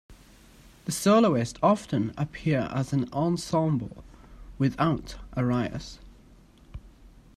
The soloists often appear as an ensemble, without arias.